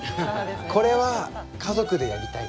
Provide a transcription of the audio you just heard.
これは家族でやりたいなと。